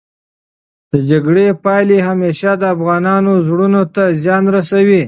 د جګړې پايلې همېشه د افغانانو زړونو ته زیان رسوي.